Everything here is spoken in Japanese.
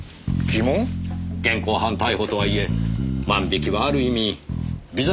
現行犯逮捕とはいえ万引きはある意味微罪です。